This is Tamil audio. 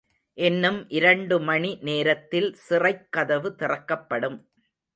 இன்னும் இரண்டு மணி நேரத்தில் சிறைக்கதவு திறக்கப்படும்.